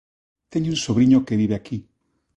Teño un sobriño que vive aquí.